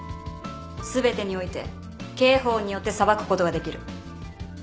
全てにおいて刑法によって裁くことができる。